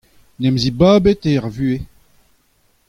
En em zibabet eo er vuhez.